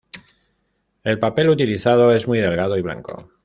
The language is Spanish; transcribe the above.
El papel utilizado es muy delgado y blanco.